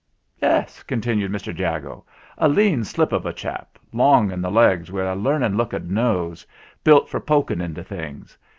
"Yes," continued Mr. Jago, "a lean slip of a chap, long in the legs wi' a learned looking nose, built for poking into things.